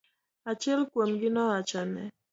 Achiel kuomgi nowachone.